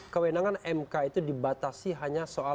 kewenangan mk itu dibatasi hanya sebagian dari yang diperlukan